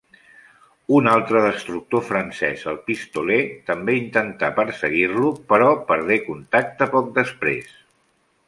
Un altre destructor francès, el Pistolet també intentà perseguir-lo, però perdé contacte poc després.